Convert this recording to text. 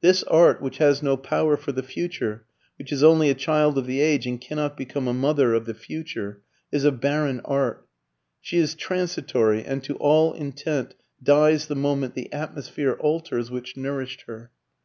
This art, which has no power for the future, which is only a child of the age and cannot become a mother of the future, is a barren art. She is transitory and to all intent dies the moment the atmosphere alters which nourished her.